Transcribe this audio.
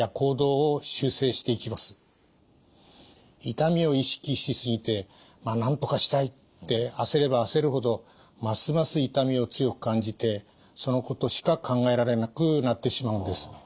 痛みを意識し過ぎてなんとかしたいって焦れば焦るほどますます痛みを強く感じてそのことしか考えられなくなってしまうんです。